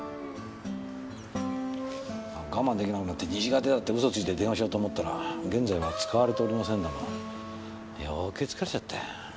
我慢できなくなって「虹が出た」って嘘ついて電話しようと思ったら「現在は使われておりません」だもん。余計疲れちゃったよ。